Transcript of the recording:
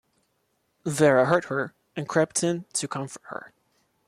Vera heard her and crept in to comfort her.